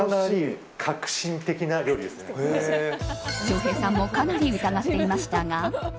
翔平さんもかなり疑っていましたが。